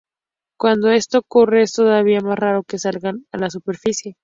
Cuando esto ocurre es todavía más raro que salgan a la superficie.